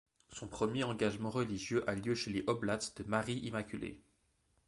Son premier engagement religieux a lieu chez les Oblats de Marie-Immaculée.